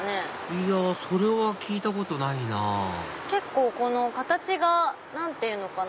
いやそれは聞いたことないな結構形が何ていうのかな。